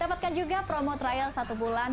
dapatkan juga promo trial satu bulan